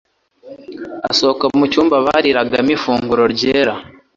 Asohoka mu cyumba bariragamo ifunguro ryera,